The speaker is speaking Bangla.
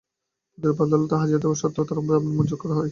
প্রতি রোববার আদালতে হাজিরা দেওয়ার শর্তে তাঁর জামিন মঞ্জুর করা হয়।